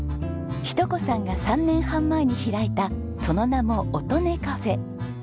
日登子さんが３年半前に開いたその名も「音音かふぇ」。